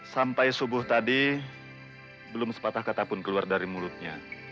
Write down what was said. sampai subuh tadi belum sepatah kata pun keluar dari mulutnya